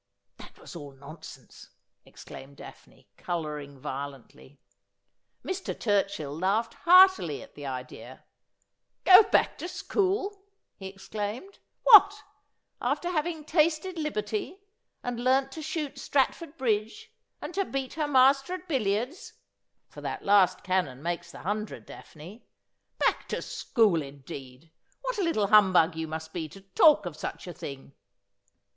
' That was all nonsense,' exclaimed Daphne, colouring vio lently. Mr. Turchill laughed heartily at the idea. ' Go back to school !' he exclaimed. ' What, after having tasted liberty, and learnt to shoot Stratford bridge, and to beat her master at billiards — for that last cannon makes the hundred. Daphne ! Back to school, indeed ! "What a little humbug you must be to talk of such a thing